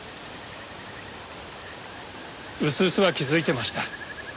うすうすは気づいてました。